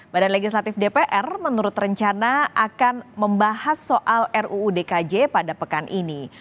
badan legislatif dpr menurut rencana akan membahas soal ruu dkj pada pekan ini